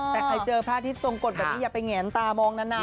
แต่ใครเจอพระอาทิตย์ทรงกฎแบบนี้อย่าไปแงนตามองนั้นนะ